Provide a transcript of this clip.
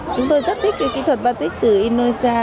chúng tôi rất thích cái kỹ thuật baltic từ indonesia